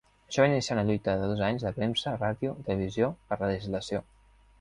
Això va iniciar una lluita de dos anys de premsa, ràdio i televisió per la legislació.